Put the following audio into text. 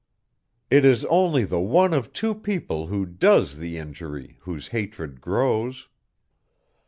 It is only the one of two people who does the injury whose hatred grows.